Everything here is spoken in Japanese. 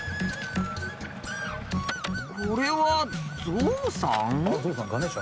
これはゾウさん？